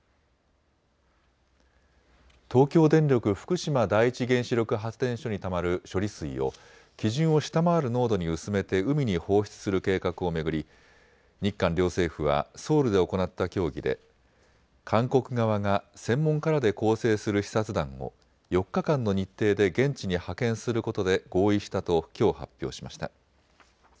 東京電力福島第一原子力発電所にたまる処理水を基準を下回る濃度に薄めて海に放出する計画を巡り日韓両政府はソウルで行った協議で韓国側が専門家らで構成する視察団を４日間の日程で現地に派遣することで合意したときょう発表しました。